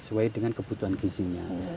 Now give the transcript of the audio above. sesuai dengan kebutuhan gizinya